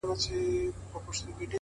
هره تجربه نوی حکمت زېږوي؛